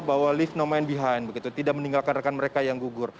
bahwa lift no main behind begitu tidak meninggalkan rekan mereka yang gugur